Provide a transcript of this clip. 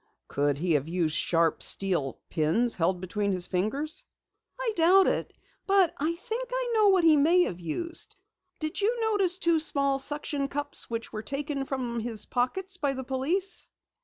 "Could he have used sharp, steel pins held between his fingers?" "I doubt it. But I think I know what he may have used! Did you notice two small suction cups which were taken from his pockets by the police?"